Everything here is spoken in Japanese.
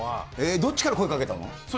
どっちから声かけたの？